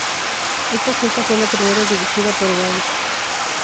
Esta cinta fue la primera dirigida por Gance.